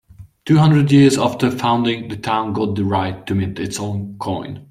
Two hundred years after founding, the town got the right to mint its own coin.